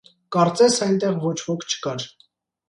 կարծես այնտեղ ոչ ոք չկար: